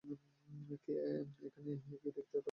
এখানে কি দেখতে পারছিস?